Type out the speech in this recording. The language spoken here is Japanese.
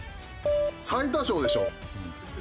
最多勝でしょ？